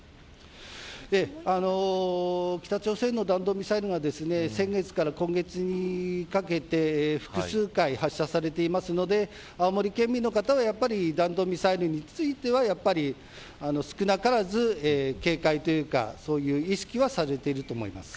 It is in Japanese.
北朝鮮の弾道ミサイルが先月から今月にかけて複数回発射されているので青森県民の方はやはり弾道ミサイルについては少なからず警戒というかそういう意識はされていると思います。